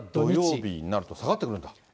ただ、土曜日になると下がってくるんだ？